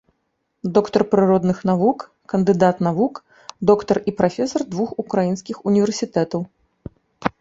Доктар прыродных навук, кандыдат навук, доктар і прафесар двух украінскіх універсітэтаў.